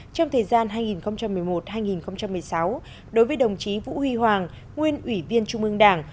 trong thời gian hai nghìn một mươi một hai nghìn một mươi sáu đối với đồng chí vũ huy hoàng nguyên ủy viên trung ương đảng